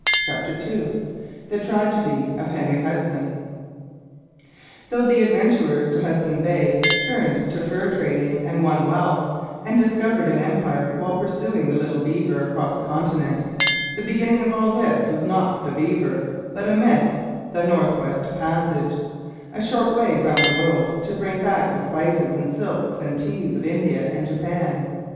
CHAPTER II THE TRAGEDY OF HENRY HUDSON Though the adventurers to Hudson Bay turned to fur trading and won wealth, and discovered an empire while pursuing the little beaver across a continent, the beginning of all this was not the beaver, but a myth the North West Passage a short way round the world to bring back the spices and silks and teas of India and Japan.